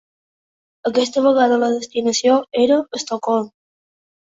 Aquesta vegada la destinació era Estocolm.